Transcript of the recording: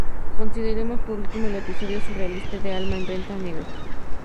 Consideremos, por último, el episodio surrealista de "alma en venta" Negro.